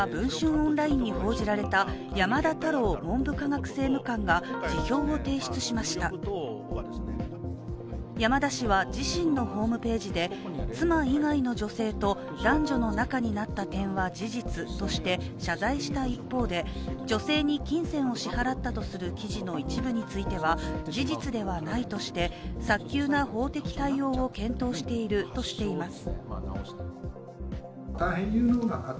オンラインに報じられた山田太郎文部科学政務官が辞表を提出しました山田氏は自身のホームページで妻以外の女性と男女の仲になった点は事実として謝罪した一方で女性に金銭を支払ったとする記事の一部については事実ではないとして早急な法的対応を検討しているとしています。